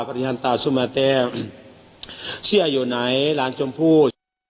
ฆ่าเด็กมันซะอริยะตะสุบัตตัยฆ่าเชื่ออยู่ไหนล้างจมพู่